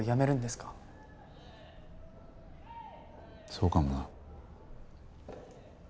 そうかもな。